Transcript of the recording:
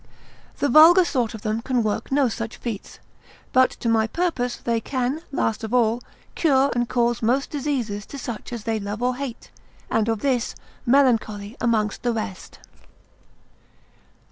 The vulgar sort of them can work no such feats. But to my purpose, they can, last of all, cure and cause most diseases to such as they love or hate, and this of melancholy amongst the rest.